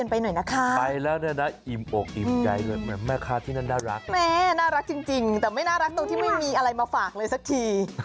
โปรดติดตามตอนต่อไป